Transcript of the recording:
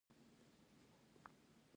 مرکه د دوو خواوو ژمنه ده.